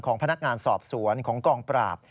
ของพนักงานสอบศรวรษของกล่องปราบ